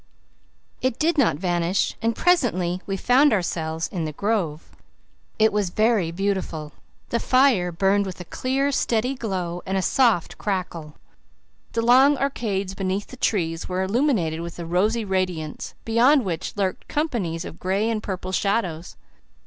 It did not vanish and presently we found ourselves in the grove. It was very beautiful; the fire burned with a clear, steady glow and a soft crackle; the long arcades beneath the trees were illuminated with a rosy radiance, beyond which lurked companies of gray and purple shadows.